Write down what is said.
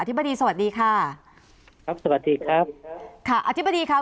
ธิบดีสวัสดีค่ะครับสวัสดีครับค่ะอธิบดีค่ะ